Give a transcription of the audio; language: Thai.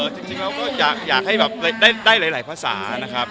จริงแล้วก็อยากให้แบบได้หลายภาษานะครับ